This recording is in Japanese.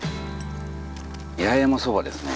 八重山そばですね。